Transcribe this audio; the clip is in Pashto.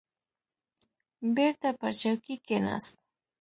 بېرته پر چوکۍ کښېناست.